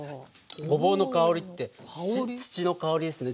ごぼうの香りって土の香りですね。